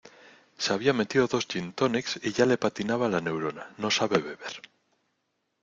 Se había metido dos gintonics y ya le patinaba la neurona; no sabe beber.